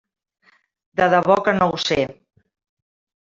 De debò que no ho sé.